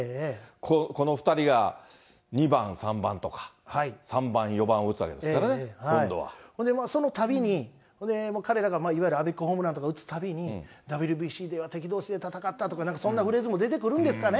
この２人が２番、３番とか、３番、４番を打つわけですからね、今度ほんでそのたびに、彼らがいわゆるアベックホームランとか打つたびに、ＷＢＣでは敵どうしで戦ったとか、そんなフレーズも出てくるんですかね。